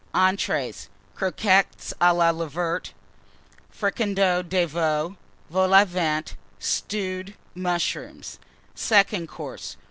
ENTREES. Croquettes of Leveret. Fricandeau de Veau. Vol au Vent. Stewed Mushrooms. SECOND COURSE.